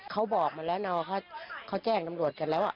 เขาบอกมาแล้วนะว่าเขาแจ้งตำรวจกันแล้ว